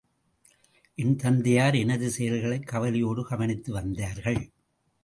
என் தந்தையார் எனது செயல்களை கவலையோடு கவனித்து வந்தார்கள்.